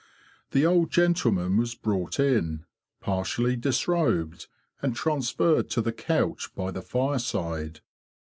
The old gentleman was brought in, partially disrobed, and transferred to the couch by the fireside.